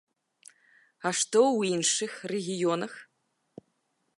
А што ў іншых рэгіёнах?